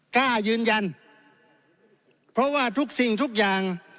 กล้ายืนยันเพราะว่าทุกสิ่งทุกอย่าง